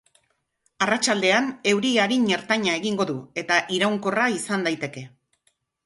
Arratsaldean euri arin-ertaina egingo du eta iraunkorra izan daiteke.